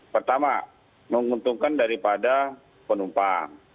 pertama menguntungkan daripada penumpang